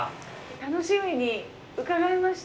楽しみに伺いました。